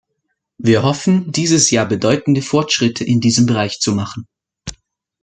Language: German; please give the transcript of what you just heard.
Wir hoffen, dieses Jahr bedeutende Fortschritte in diesem Bereich zu machen.